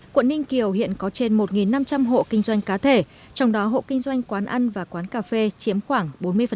quận ninh kiều hiện có trên một năm trăm linh hộ kinh doanh cá thể trong đó hộ kinh doanh quán ăn và quán cà phê chiếm khoảng bốn mươi